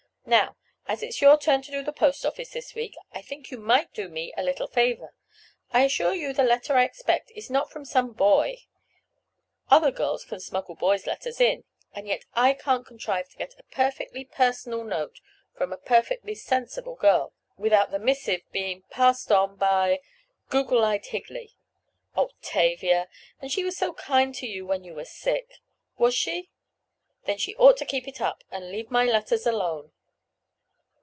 "Now, as it's your turn to do the post office this week, I think you might do me a little favor—I assure you the letter I expect is not from some boy. Other girls can smuggle boys' letters in, and yet I can't contrive to get a perfectly personal note from a perfectly sensible girl, without the missive being—passed upon by—google eyed Higley!" "Oh, Tavia! And she was so kind to you when you were sick." "Was she? Then she ought to keep it up, and leave my letters alone!"